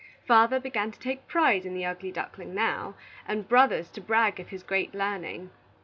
Father began to take pride in the ugly duckling now, and brothers to brag of his great learning.